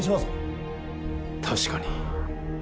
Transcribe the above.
確かに。